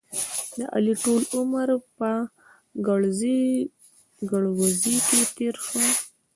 د علي ټول عمر په ګړزې ګړوزې کې تېر شو.